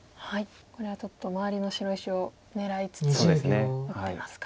これはちょっと周りの白石を狙いつつ打ってますか。